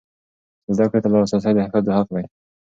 زده کړې ته لاسرسی د ښځو حق دی.